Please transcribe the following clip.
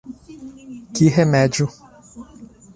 Que remédio!